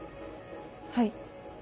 はい。